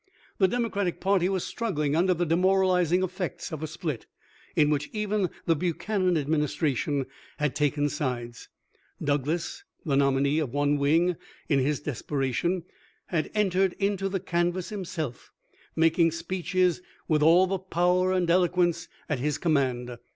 The Democratic party was struggling under the demoralizing effects of a split, in which even the Buchanan administration had taken sides. Douglas, the nominee of one wing, in his despera tion had entered into the canvass himself, making speeches with all the power and eloquence at his THE LIFE OF LINCOLN. 465 command.